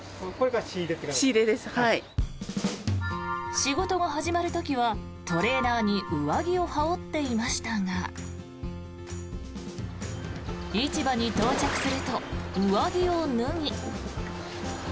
仕事が始まる時はトレーナーに上着を羽織っていましたが市場に到着すると上着を脱ぎ。